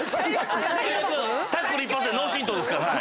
タックル一発で脳振とうですから。